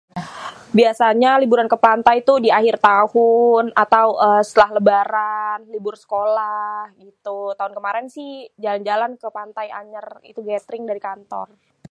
Biasanya liburan ke Pantai tuh diakhir tahun atau eee setelah lebaran libur sekolah gitu tahun kemaren si jalan-jalan ke Pantai Anyer itu, getring dari kantor.